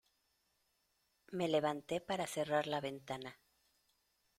me levanté para cerrar la ventana.